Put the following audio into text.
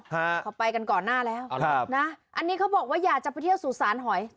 ครับครับขอไปกันก่อนหน้าแล้วนะอันนี้เขาบอกว่าอยากจะไปเที่ยวสุสานหอย